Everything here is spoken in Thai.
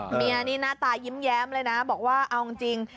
เมียนี่หน้าตายิ้มแย้มเลยนะบอกว่าเอาจริง